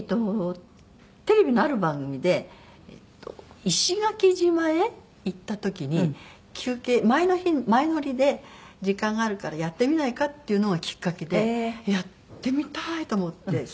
テレビのある番組で石垣島へ行った時に前の日前乗りで時間あるからやってみないかっていうのがきっかけでやってみたいと思って。